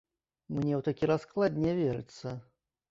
Мне ў такі расклад не верыцца.